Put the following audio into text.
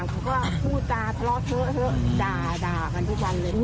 หนูลังงีพลพูดด่าเด็กผสมภาพเลยนะ